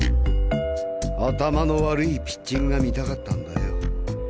頭の悪いピッチングが見たかったんだよ。